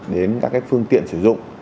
đến các phương tiện sử dụng